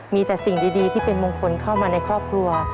มีแต่สิ่งดีที่เป็นมงคลเข้ามาในครอบครัว